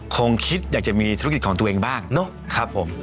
คงคิดอยากจะมีธุรกิจของตัวเองบ้างเนอะครับผม